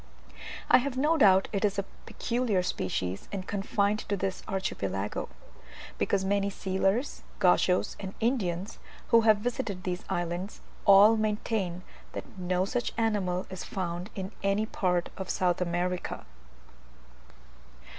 I have no doubt it is a peculiar species, and confined to this archipelago; because many sealers, Gauchos, and Indians, who have visited these islands, all maintain that no such animal is found in any part of South America.